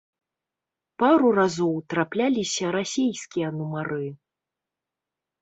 Пару разоў трапляліся расейскія нумары.